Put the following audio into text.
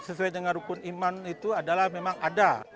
sesuai dengan rukun iman itu adalah memang ada